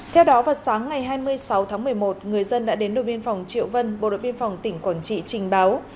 theo đó vào sáng ngày hai mươi sáu tháng một mươi một người dân đã đến đội biên phòng triệu vân bộ đội biên phòng tỉnh quảng trị trình báo